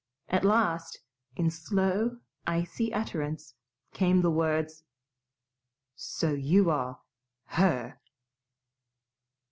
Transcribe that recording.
At last, in slow, icy utterance, came the words, "So you are HER!"